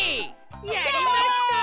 やりました！